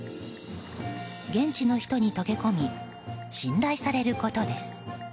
現地の人に溶け込み信頼されることです。